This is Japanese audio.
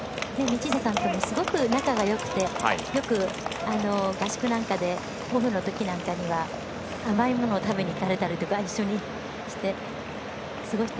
道下さんともすごく仲がよくてよく合宿なんかでオフのときなんかは甘いものを食べに一緒にいかれたりとかして過ごして。